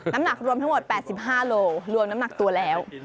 น้ำหนักรวมทั้งหมด๘๕โลรวมน้ำหนักตัวแล้ว